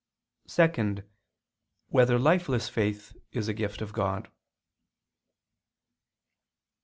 (2) Whether lifeless faith is a gift of God?